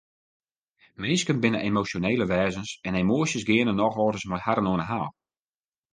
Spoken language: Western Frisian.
Minsken binne emosjonele wêzens en emoasjes geane nochal ris mei harren oan 'e haal.